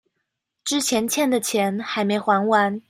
之前欠的錢還沒還完